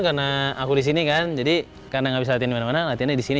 karena aku di sini kan jadi karena gak bisa latihan dimana mana latihannya di sini